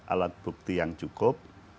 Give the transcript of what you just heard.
alat bukti yang cukup